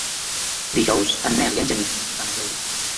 Dijous en Nel i en Genís van a Llaurí.